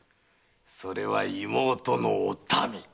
それは妹のおたみ。